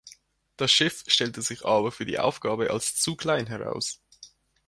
Das Schiff stellte sich aber für die Aufgabe als zu klein heraus.